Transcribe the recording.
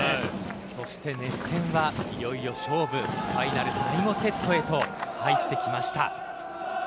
そして、熱戦はいよいよ勝負、ファイナル第５セットに入ってきました。